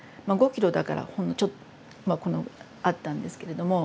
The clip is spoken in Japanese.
５キロだからほんのちょっまあこのぐらいあったんですけれども。